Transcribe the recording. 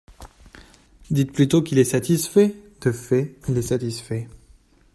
Dites plutôt qu’il est satisfait ! De fait, il est satisfait.